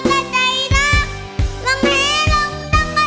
มอเมนมาวันละก็บ่ได้ใจรัก